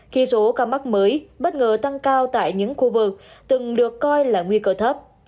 khi số ca mắc mới bất ngờ tăng cao tại những khu vực từng được coi là nguy cơ thấp